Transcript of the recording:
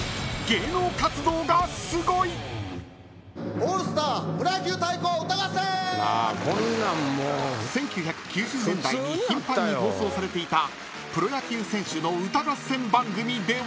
『オールスタープロ野球対抗歌合戦』［１９９０年代に頻繁に放送されていたプロ野球選手の歌合戦番組では］